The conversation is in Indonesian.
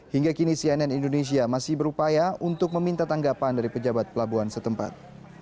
hingga kini cnn indonesia masih berupaya untuk meminta tanggapan dari pejabat pelabuhan setempat